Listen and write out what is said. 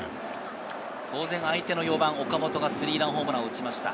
当然、相手の４番・岡本がスリーランホームランを打ちました。